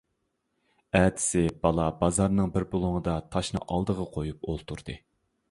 ئەتىسى بالا بازارنىڭ بىر بۇلۇڭىدا تاشنى ئالدىغا قۇيۇپ ئولتۇردى.